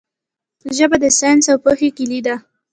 ژبه د ساینس او پوهې کیلي ده.